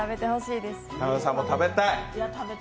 田辺さんも食べたい？